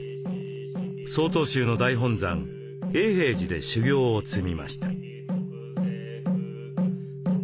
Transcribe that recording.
曹洞宗の大本山永平寺で修行を積みました。